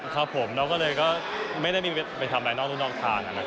เราก็เลยไม่ได้ไปทำอะไรนอกทุกทาง